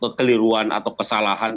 kekeliruan atau kesalahan